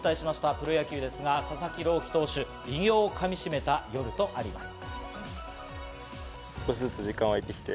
プロ野球ですが、佐々木朗希投手、偉業をかみしめた夜となります。